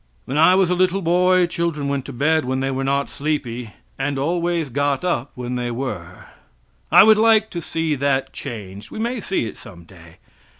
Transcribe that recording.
When I was a little boy, children went to bed when they were not sleepy, and always got up when they were? I would like to see that changed we may see it some day.